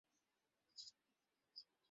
যৌবন হল একটা মিথ্যে।